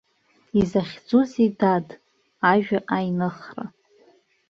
Изахьӡузеи, дад, ажәа аиныхра?